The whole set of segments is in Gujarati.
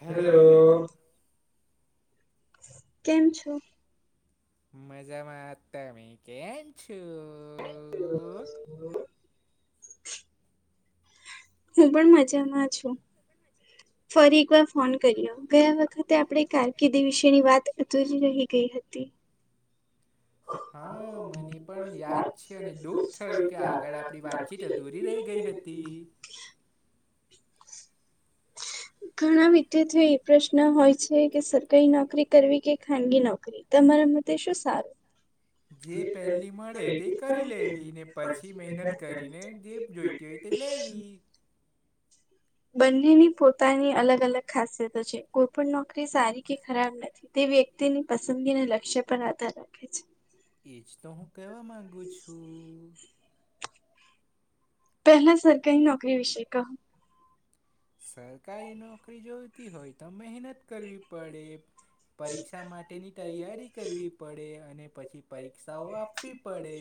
હેલો. કેમ છો? મજામાં, તમે કેમ છું? [inaudible] હું પણ મજામાં છું, ફરી એકવાર ફોન કર્યો ગયા વખત આપણે કારકિર્દી વિશેની વાત અધૂરી જ રહી ગઈ હતી. હા મને પણ યાદ છે અને દુઃખ થયું કે આગળ આપડી વાત ખીટ અધૂરી રહી ગઈ હતી. [inaudible] ઘણા વિદ્યાર્થીઓ એ પ્રશ્ન હોય છે કે સરકારી નોકરી કરવી કે ખાનગી નોકરી? તમારા મતે શું સારું? જે પહેલી મળે તે કરી લેવી ને પછી મહેનત કરીને જે જોઈતી હોય એટલે વી બંનેની પોતાની અલગ-અલગ ખાસિયતો છે. કોઈ પણ નોકરી સારી કે ખરાબ નથી. તે વ્યક્તિની પસંદગી ના લક્ષ્ય પર આધાર રાખે છે. એજ તો હું કેવા માંગુ છું. પહેલા સરકારી નોકરી વિશે કહો. સરકારી નોકરી જોતી હોય, તો મહેનત કરવી પડે. પરીક્ષા માટેની તૈયારી કરવી પડે. અને પછી પરી ક્ષાઓ આપવી પડે.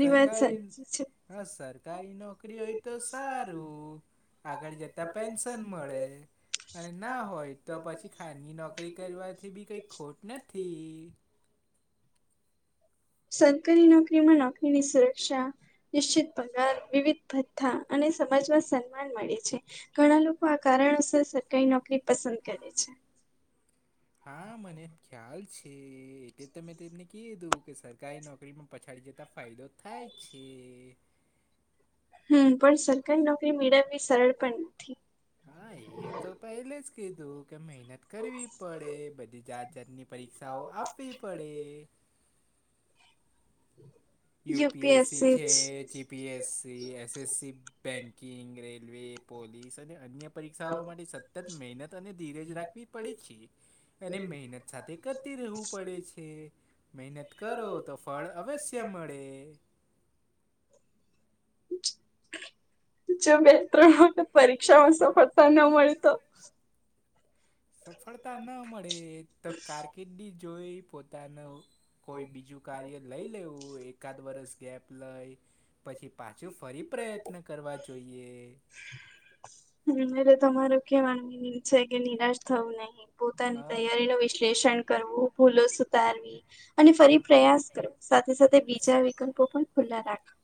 સરકારી, હા સરકારી નોકરી હોય તો સારું. આગળ જતા પેન્શન મળે. અને ના હોય તો પછી ખાનગી નોકરી કરવાથી બી કંઈ ખોટ નથી. સરકારી નોકરી માં નોકરીની સુરક્ષા નિશ્ચિત પગાર, વિવિધ ભથ્થા અને સમાજમાં સન્માન મળે છે. ઘણા લોકો આ કારણોસર સરકારી નોકરી પસંદ કરે છે. હા મને ખ્યાલ છે. એટલે તમે તો એમને કીધું કે સરકારી નોકરીમાં પછાડી જતા ફાયદો થાય જ છે. હમ્મ. પણ સરકારી નોકરી મેળવવી સરળ પણ નથી. હા. એ તો પહેલે જ કીધું કે મહેનત કરવી પડે. બધી જાત-જાતની પરીક્ષાઓ આપવી પડે. [inaudible] યુ પી એસ સી છે, જી પ P S C, S S C, banking, railway, police અને અન્ય પરીક્ષાઓ માટે સતત મહેનત અને ધીરજ રાખવી પડે છે. અને મહેનત સાથે કરતી રહેવું પડે છ એ. મહેનત કરો તો ફળ અવશ્ય મળે. જો બેન ત્રણ વખત પરીક્ષાઓ સફળતા નો મળી તો સફળતા ન મળે તો કારકિર્દી જોઈ પોતાનો કોઈ બીજું કાર્ય લઈ લેવું. એકાદ વર્ષ ગેપ લઈ. પછી પાછું ફરી પ્રયત્ન કરવા જોઈએ. હમ્મ. એટલે તમારો કહેવાનો મિનીંગ છે કે નિરાશ થવું નહીં. પોતાની તૈયારી નું વિશ્લેષણ કરવું, ભૂલો સુધારવી, અને ફરી પ્રયાસ કરવો. સાથે-સાથે બીજા વિકલ્પો પણ ખુલ્લા રાખ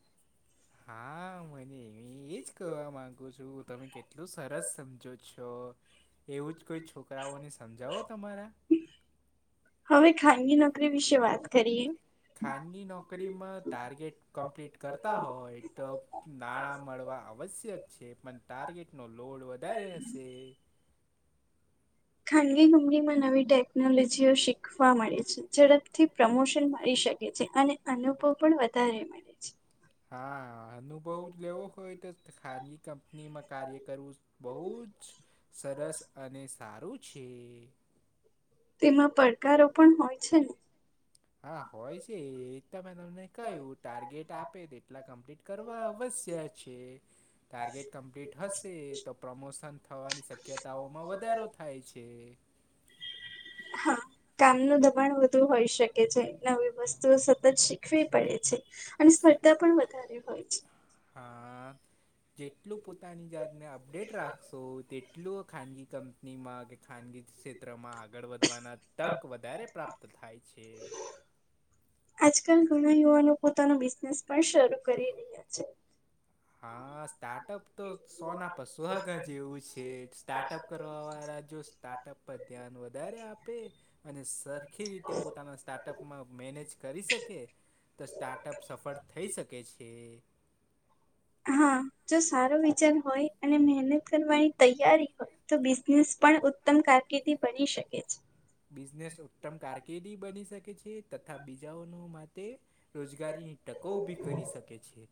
હા. મને એ એજ કહેવા માંગુ છું. તમે કેટલું સરસ સમજો છો. એવું જ કોઈ છોકરાઓને સમજાવો તમારા. હવે ખાનગી નોકરી વિશે વાત કરીએ. ખાનગી નોકરીમાં ટાર્ગેટ કમ્પ્લીટ કરતા હોય તો નાણાં મળવા આવશ્યક છે, પણ ટાર્ગેટનો લોડ વધારે હશે. ખાનગી કંપની માં નવી ટેકનોલોજીઓ શીખવા મળે છે. ઝડપથી પ્રમોશન મળી શક કે છે. અને અનુભવ પણ વધારે મળે. હા અનુભવ જ લેવો હોય તો ખાનગી કંપ પનીમાં કાર્ય કરવું બહુ જ સરસ અને સારું છે. તેમાં પડકારો પણ હોય છે ને. હા હોય છે. ઈ તો મે તમને કહ્યું, ટાર્ગેટ આપે તો એટલા કમ્પ્લીટ કરવા અવશ્ય છે. ટાર્ગેટ કમ્પ્લીટ હશે તો પ્રમોશન થવાની શક્યતાઓમાં વધારો થાય છે. હા. કામનું દબાણ વધુ હોઈ શકે છે. નવી વસ્તુઓ સતત શીખવી પડે છે. અને સ્પર્ધા પણ વધારે હોય છે. હા. જેટલું પોતાની જાતને અપડેટ રાખશો તેટલું આ ખાનગી કંપ પનીમાં કે ખાનગી ક્ષેત્રમાં આગળ વધવાના તક વધારે પ્રાપ્ત થાય છે. આજકાલ ઘણા યુવાનો પોતાનો બિઝનેસ પણ શરૂ કરી રહ્યા છે. હા સ્ટાર્ટ અપ તો સોના પશુ હાગા જેવું છે. સ્ટાર્ટઅપ કરવાવાળા જો સ્ટાર્ટઅપ પર ધ્યાન વધારે આપે અને સરખી રીતે પોતાના સ્ટાર્ટઅપ માં મેનેજ કરી શકે તો સ્ટાર્ટઅપ સફળ થઈ શકે છે. હા જો સારો વિચાર હોય અને મહેનત કરવાની તૈયારી હોય તો બિઝનેસ પણ ઉત્તમ કારકિર્દી બની શકે છે. બિઝનેસ ઉત્તમ કારકિર્દી બની શકે છે તથા બીજાઓનો માટે રોજગારીની તકો ઊભી કરી શકે છે.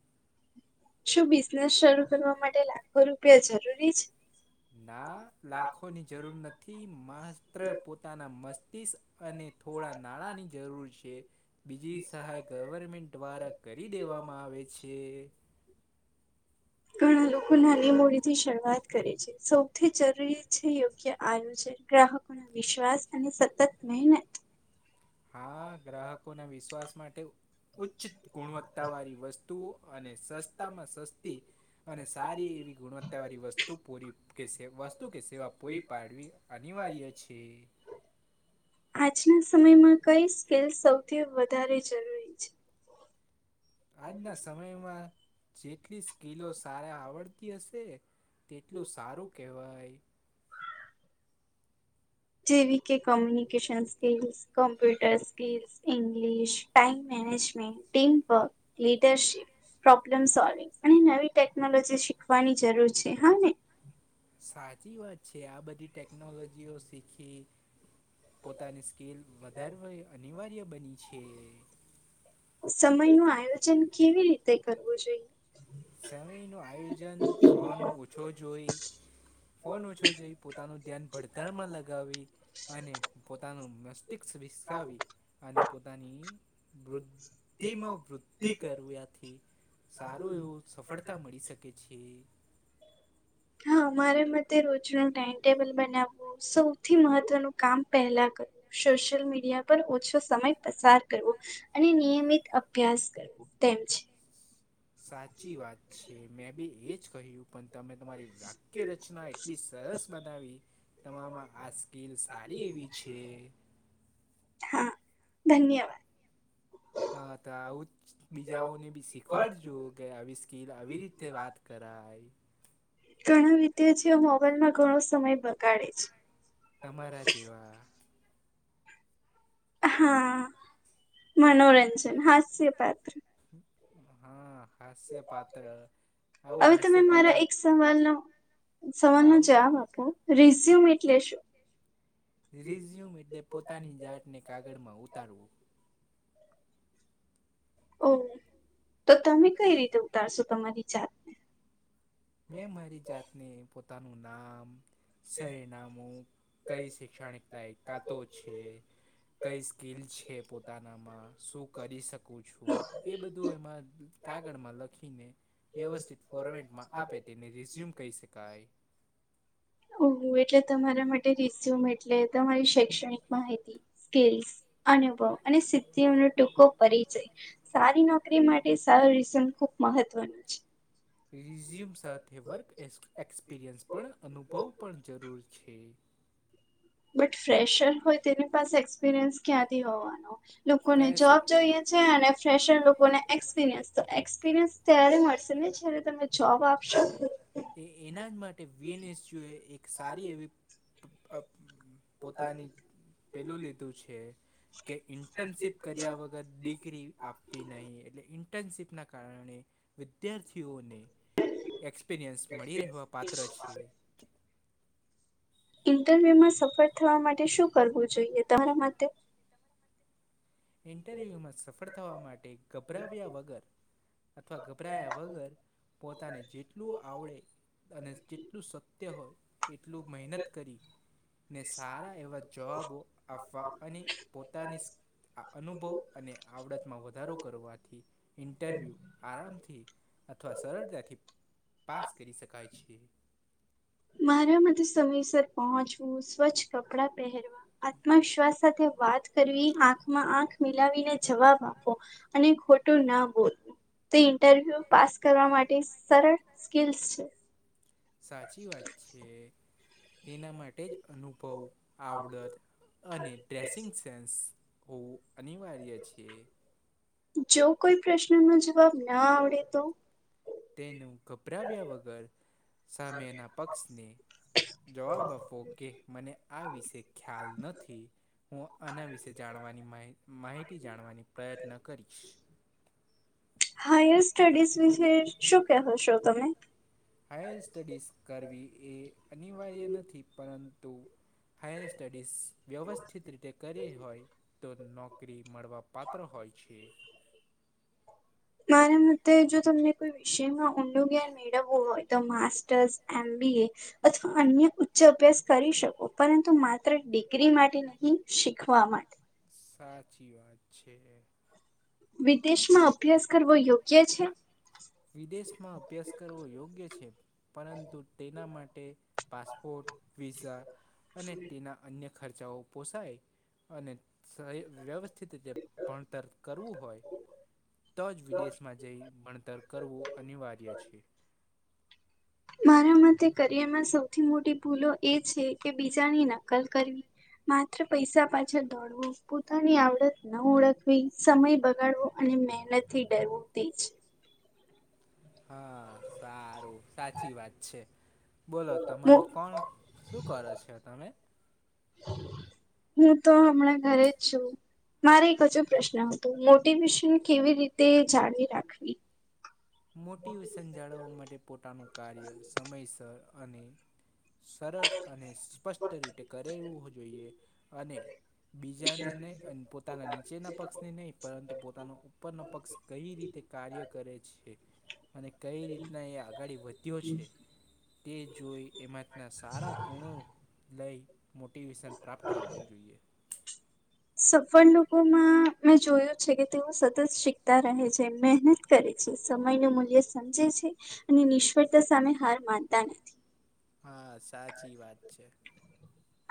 શું બિઝનેસ શરૂ કરવા માટે લાખો રૂપિયા જરૂરી છે? ના લાખોની જરૂર નથી માત્ર પોતાના મસ્તિષ્ક અને થોડા નાણાંની જરૂર છે. બીજી સહાય ગવર્મેન્ટ દ્વારા કરી દેવામાં આવે છે. ઘણા લોકો નાની મૂડીથી શરૂઆત કરે છે. સૌથી જરૂરી છે યોગ્ય આયોજન. ગ્રાહકોના વિશ્વાસ અને સતત મહેનત. હા ગ્રાહકોના વિશ્વાસ માટે ઉચ્ચ ગુણવત્તાવાળી વસ્તુઓ અને સસ્ તામાં સસ્તી અને સારી એવી ગુણવત્ત તમારી વસ્તુ પૂરી કે સે વસ્તુ કે સેવા પૂરી પાડવી અનિવાર્ય છે. આજના સમયમાં કઈ સ્કીલ સૌથી વધારે જરૂરી આજના સમયમાં જેટલી સ્કીલો સારા આવડતી હશે. તેટલું સારું કહેવાય. જેવી કે communication skills. Computer skill, English, time management, team work. Leadership, problem solving અને નવી ટેકનોલોજી શીખવાની જરૂર છે હા ને? સાચી વાત છે. આ બધી ટેકનોલોજીઓ શીખી પોતાની સ્કીલ વધારવા અનિવાર્ય બની છે. સમયનું આયોજન કેવી રીતે કરવું જોઈએ? સમયનું આયોજન ફોન ઓછો જોઈ ફોન ઓછો જોઈ પોતાનું ધ્યાન ભડતરમાં લગાવી. અને પોતાનું મસ્ટિકસ વિકસાવી અને પોતાની વૃદ્ધિમાં વૃદ્ધિ કર્યાથી સારું એવું સફળતા મળી શકે છે. હા મારે મતે રોજનું ટાઈમ ટેબલ બનાવવું. સૌથી મહત્વનું કામ પહેલા કર્યું. સોશિયલ મીડિયા પર ઓછો સમય પસાર કરવો. અને નિયમિત અભ્યાસ કરવો તેમ છે. સાચી વાત છે. મેં બી એ જ કહ્યું પણ તમે તમારી વાક્ય રચના એટલી સરસ બનાવી તમારામાં આ સ્કીલ સારી એવી છે. હા ધન્યવાદ. હા તો આવું જ. બીજાઓને બી શીખવાડજો કે આવી સ્કીલ આવી રીતે વાત કરાય. ઘણા વિદ્યાર્થીઓ મોબાઇલમાં ઘણો સમય બગાડે છે. તમારા જેવા હા મનોરંજન, હાસ્યપાત્ર. હા હાસ્યપાત્ર આવું હાસ્યપાત્ર સવાલ નો જવાબ આપો. રિઝ્યુમ એટલે શું? રિઝ્યુમ એટલે પોતાની જાટને કાગળમાં ઉતારવું. ઓ તો તમે કઈ રીતે ઉતારશો તમારી જાત? મેં મારી જાતને પોતાનું નામ સરનામું કઈ શૈક્ષણિક લાયકાતો છે. કઈ સ્કીલ છે પોતાનામાં. શું કરી શકું છું? એ બધું એમાં કાગળમાં લખીને વ્યવસ્થિત ફોર્મેટમાં આપે તેને રિઝ્યુમ કહી શકાય. ઓહો એટલે તમારા માટે રિસ્યુમ એટલે તમારી શૈક્ષણિક માહિતી. કેસ, અનુભવ અને સિદ્ધિઓનો ટૂંકો પરિચય. સારી નોકરી માટે સારું રિઝયુન ખુબ મહત્વનું છે. રિઝ્યુમ સાથે વર્ક એક્સ-એક્સપિરિયન્સ પણ અનુભવ પણ જરૂર છે. બટ ફ્રેશર હોય તેની પાસે એક્સપિરિયન્સ ક્યાંથી હોવાનો? લોકોને જોબ જોઈએ છે, અને ફ્રેસર લોકોને એક્સપિરિયન્સ તો એક્સપિરિયન્સ તૈયારી મળશે ને જય્યારે તમે જોબ આપશો? એ એના જ માટે વીએનએસચ્યુએ એક સારી એવી અહ પોતાની પેલું લીધું છે કે ઇન્ટર્નશીપ કર્યા વગર ડિગ્રી આપ વી નહીં એટલે ઇન્ટર્નશીપના કારણે વિદ્યાર્થીઓને એક્સ પિરિયન્સ મળી રહેવા પાત્ર છે. ઇન્ટરવ્યુમાં સફળ થવા માટે શું કરવું જોઈએ? તેના માટે ઇન્ટરવ્યૂમાં સફળ થવા માટે ગભરાવ્યા વગર અથવા ગભરાયા વગર પોતાને જેટલું આવડે અને જેટલું સત્ય હોય એટલું મહેનત કરી ને સારા એવા જવાબો આપવા અને પોતાની આ અનુભવ અને આવડતમાં વધારો કરવાથી ઇન્ટરવ્યૂ આરામથી અથવા સરળતાથી પાસ કરી શકાય છે. મારા માટે સમયસર પહોંચવું, સ્વચ્છ કપડાં પહેરવા, આત્મવિશ્વાસ સાથે વાત કરવી, આંખમાં આંખ મિલાવીને જવાબ આપો અને ખોટું ના બોલવું. તે ઇન્ટરવ્યુ પાસ કરવા માટે સરળ સ્કીલ્સ છે. સાચી વાત છે. એના માટે જ અનુભવ આવડત અને ડ્રેસિંગ સેન્સ હોવું અનિવાર્ય છે. જો કોઈ પ્રશ્ન નો જવાબ ના આવડે તો તેનું ઘભરાવ્યા વગર સામેના પક્ષને જવાબ આપવો કે મને આ વિશે ખ્યાલ નથી હું આના વિશે જાણવાની માહિ માહિતી જાણવાની પ્રયત્ન કરીશ. હાયર સ્ટડીઝ વિશે શું કહો છો તમે? હાયર સ્ટડીઝ કરવી એ અનિવાર્ય નથી પરંતુ હાયર સ્ટડીઝ વ્યવસ્થિત રીતે કરી હોય તો નો કરી મળવા પાત્ર હોય છે. મારા માટે જો તમને કોઈ વિષય માં ઊંડો ગ્યાન મેડા બહુ હોય તો માસ્ટર્સ એમ બી એ અથવા અન્ય જે અભ્યાસ કરી શકો પરંતુ માત્ર ડિગ્રી માટે નહીં શીખવા માટે. સાચી વાત છે. વિદેશમાં અભ્યાસ કરવો યોગ્ય છે? વિદેશમાં અભ્યાસ કરવો યોગ્ય છે પરંતુ તેના માટે પાસપોર્ટ, વીઝા અને તના અન્ય ખર્ચાઓ પોષાય અને સ વ્યવસ્થ રીતે ભણતર કરવું હોય તો જ વિદેશ જઈને ભણતર કરવું અનિવાર્ય છે. મારા મતે કરિયરમાં સૌથી મોટી ભૂલો એ છે કે બીજાની નકલ કરવી માત્ર પૈસા પાછળ દો. પોતાની આવડત ન ઓળખવી, સમય બગાડવો અને મહેનત થી ડરવો તેજ હા સારું, સાચી વાત છે, બોલો તમારું કોણ? શું કરો છો તમે? હું તો હમણાં ઘરે જ છું. મારે એક હજુ પ્રશ્ન હતો, મોટિવેશન કેવી રીતે જાળવી રાખવી? મોટિવેશન જાળવવા માટે પોતાનું કાર્ય સમયસર અને સરળ અને સ્પષ્ટ રીતે કરેવું જોઈએ અને બીજાને નઈ અન પોત પોતાના નીચેના પક્ષને નહીં પરંતુ પોતાના ઉપરના પક્ષ કઈ રીતે કાર્ય કરે છે. અને કઈ રીતના એ આગળ વધ્યો છે તે જોઈ એમાં ના સારા ગુણો લઈ મોટિવેશન પ્રાપ્ત કરવું જોઈએ. સફળનું [inaudible] મેં જોયું છે કે તેઓ સતત શીખતા રહે છે, મહેનત કરે છે, સમય ન મૂલ્ય સમજે છે. અને નિષ્ફળતા સામે હાર માનતા નથી. હા સાચી વાત છે.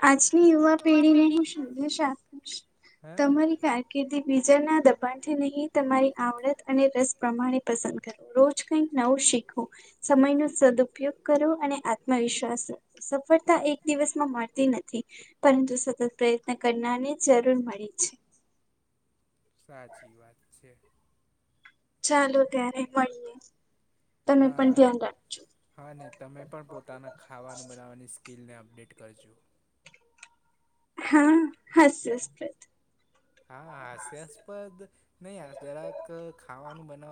આજની યુવા પેઢી ને હું શોધેશ આપું તમારી ફે કીર્દી બીજાના દબાણથી નહીં તમારી આવડત અને રસ પ્રમાણે પસંદ કરે. રોજ કઈક નવું શીખું, સમય નો સદઉપયોગ કરો અને આ આત્મવિશ્વાસથી સફળતા એક દિવસમાં માટે તી નથી પરંતુ સતત પ્રયત્ન કરનારને જરૂર મળે છે. સાચી વાત છે. ચાલો ત્યારે મળીએ, તમે પણ ધ્યાન રાખજો. હા ને તમે પણ પોતાના ખાવાનું બનાવવાની સ્કિલને અપડેટ કરજો. હા, હસ, હસ, હસ. હા હાસ્યાસ્પદ નહી જરાક ખાવાનું બનાવા